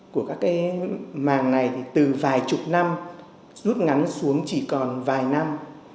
của các cái màng này thì từ vài chục năm rút ngắn xuống chỉ còn vài năm